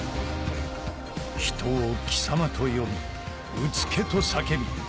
ひとを「貴様」と呼び「うつけ」と叫び